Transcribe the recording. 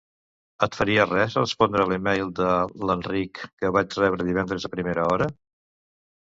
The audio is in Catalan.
Et faria res respondre l'e-mail de l'Enric que vaig rebre divendres a primera hora?